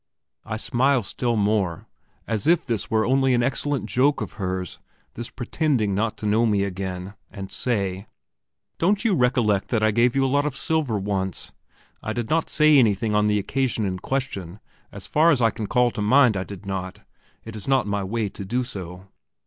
I smile still more, as if this were only an excellent joke of hers, this pretending not to know me again, and say: "Don't you recollect that I gave you a lot of silver once? I did not say anything on the occasion in question; as far as I can call to mind, I did not; it is not my way to do so.